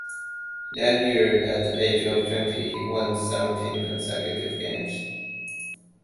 That year, at the age of twenty, he won seventeen consecutive games.